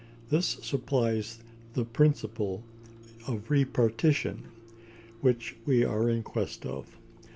This supplies the principle of repartition which we are in quest of.